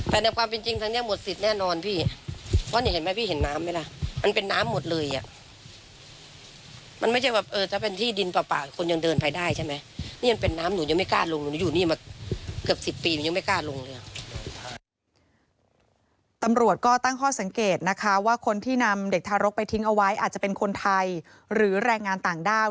แต่ในความจริงทางเนี้ยหมดสิทธิ์แน่นอนพี่